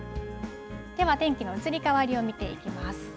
では、天気の移り変わりを見ていきます。